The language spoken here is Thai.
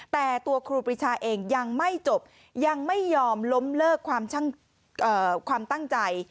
แต่ตัวครูปรีชาเองยังไม่จบยังไม่ยอมล้มเลิกความตั้งใจ